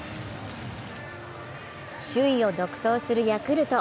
首位を独走するヤクルト。